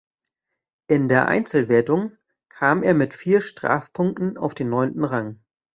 In der Einzelwertung kam er mit vier Strafpunkten auf den neunten Rang.